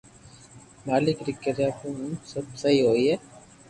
مالڪ ري ڪرپا مون سب سھي ھوئي